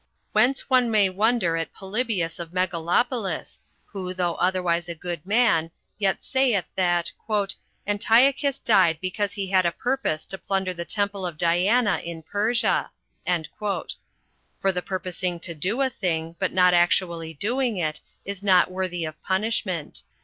Whence one may wonder at Polybius of Megalopolis, who, though otherwise a good man, yet saith that "Antiochus died because he had a purpose to plunder the temple of Diana in Persia;" for the purposing to do a thing, 23 but not actually doing it, is not worthy of punishment.